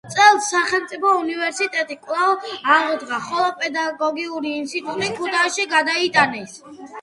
წელს სახელმწიფო უნივერსიტეტი კვლავ აღდგა, ხოლო პედაგოგიური ინსტიტუტი ქუთაისში გადაიტანეს.